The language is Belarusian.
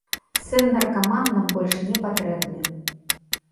Сын-наркаман нам больш не патрэбны!